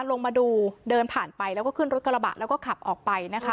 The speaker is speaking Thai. ลงมาดูเดินผ่านไปแล้วก็ขึ้นรถกระบะแล้วก็ขับออกไปนะคะ